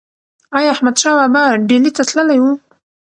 ایا احمدشاه بابا ډیلي ته تللی و؟